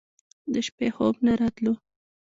د شپې خوب نه راتلو.